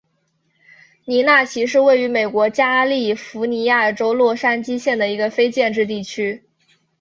尼纳奇是位于美国加利福尼亚州洛杉矶县的一个非建制地区。